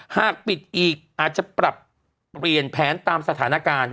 หากปิดอีกอาจจะปรับเปลี่ยนแผนตามสถานการณ์